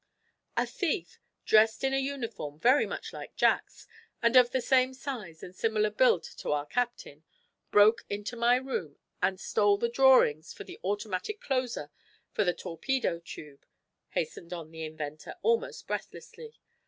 "A thief, dressed in a uniform very much like Jack's, and of the same size and similar build to our captain, broke into my room and stole the drawings for the automatic closer for the torpedo tube," hastened on the inventor, almost breathlessly.